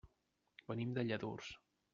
Venim de Lladurs.